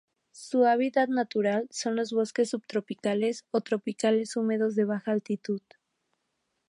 Su hábitat natural son los bosques subtropicales o tropicales húmedos de baja altitud.